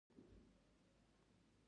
ناسم مدیریت مالي تاوان زیاتوي.